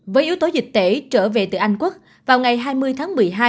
với yếu tố dịch tễ trở về từ anh quốc vào ngày hai mươi tháng một mươi hai